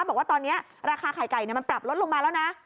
บอกว่าตอนนี้ราคาไข่ไก่มันปรับลดลงมาแล้วนะ